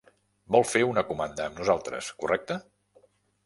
Vol fer una comanda amb nosaltres, correcte?